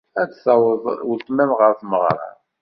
Ad d-tawyed weltma-m ɣer tmeɣra.